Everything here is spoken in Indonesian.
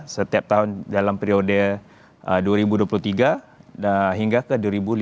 setiap tahun dalam periode dua ribu dua puluh tiga hingga ke dua ribu lima belas